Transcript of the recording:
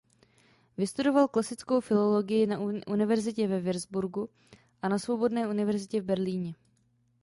Vystudoval klasickou filologii na Univerzitě ve Würzburgu a na Svobodné univerzitě v Berlíně.